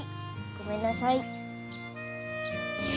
ごめんなさい。